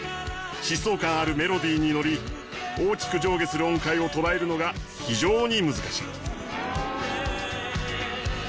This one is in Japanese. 疾走感あるメロディーにのり大きく上下する音階を捉えるのが非常に難しく。